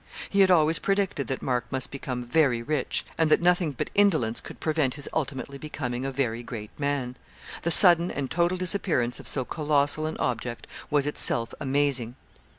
He had always predicted that Mark must become very rich, and that nothing but indolence could prevent his ultimately becoming a very great man. The sudden and total disappearance of so colossal an object was itself amazing.